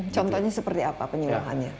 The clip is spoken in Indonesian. contohnya seperti apa penyeluruhannya